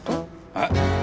えっ？